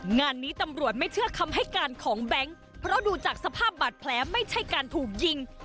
งานนี้ตำรวจไม่เชื่อคำให้การของแบงค์เพราะดูจากสภาพบาดแผลไม่ใช่การถูกยิง